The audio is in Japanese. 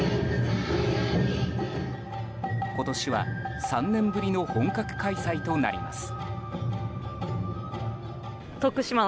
今年は３年ぶりの本格開催となります。